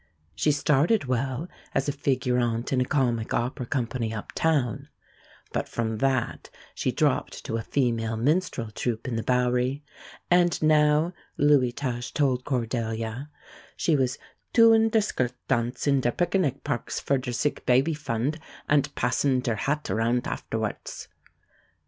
She started well as a figurante in a comic opera company up town, but from that she dropped to a female minstrel troupe in the Bowery, and now, Lewy Tusch told Cordelia, she was "tooing ter skirt tance in ter pickernic parks for ter sick baby fund, ant passin' ter hat arount afterwarts."